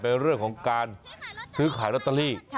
เรื่องของการซื้อขายลอตเตอรี่